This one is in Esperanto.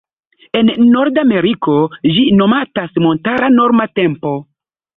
En norda Ameriko ĝi nomatas "Montara Norma Tempo".